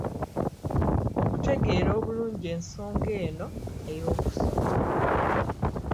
Okutegeera obulungi ensonga eno ey'okusoma